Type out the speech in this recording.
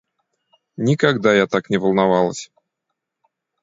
Никогда я так не волновалась.